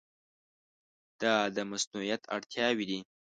دا د مصونیت اړتیاوې دي.